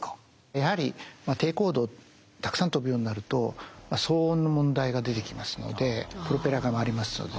やはり低高度たくさん飛ぶようになると騒音の問題が出てきますのでプロペラが回りますのでね。